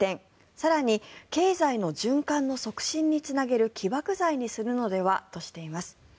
更に、経済の循環の促進につなげる起爆剤にするのではとしています。